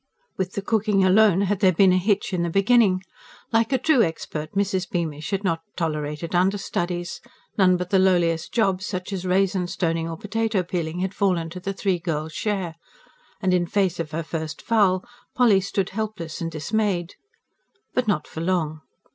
With the cooking alone had there been a hitch in the beginning. Like a true expert Mrs. Beamish had not tolerated understudies: none but the lowliest jobs, such as raisin stoning or potato peeling, had fallen to the three girls' share: and in face of her first fowl Polly stood helpless and dismayed. But not for long.